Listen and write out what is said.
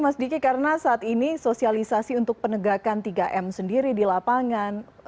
mas diki karena saat ini sosialisasi untuk penegakan tiga m sendiri di lapangan